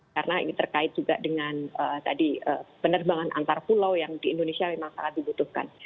karena ini terkait juga dengan tadi penerbangan antar pulau yang di indonesia memang sangat dibutuhkan